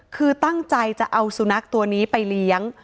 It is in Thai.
คือตั้งใจจะเอาสุนัขตัวนี้ไปเลี้ยง